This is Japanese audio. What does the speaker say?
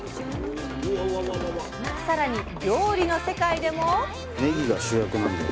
更に料理の世界でも。